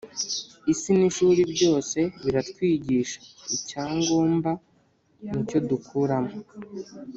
isi n’ ishuri byose biratwigisha icyangomba nicyo dukuramo